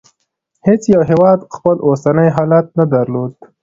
هېڅ یو هېواد خپل اوسنی حالت نه درلود.